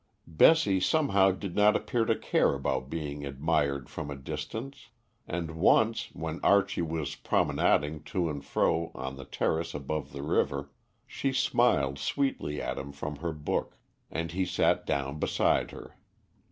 Bessie somehow did not appear to care about being admired from a distance, and once, when Archie was promenading to and fro on the terrace above the river, she smiled sweetly at him from her book, and he sat down beside her.